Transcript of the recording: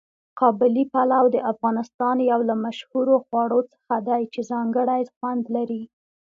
قابلي پلو د افغانستان یو له مشهورو خواړو څخه دی چې ځانګړی خوند لري.